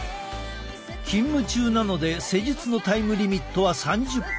勤務中なので施術のタイムリミットは３０分。